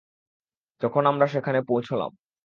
যখন আমরা সেখানে পৌঁছলাম।